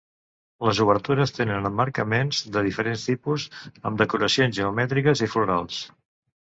Les obertures tenen emmarcaments de diferents tipus, amb decoracions geomètriques i florals.